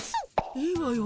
いいわよ。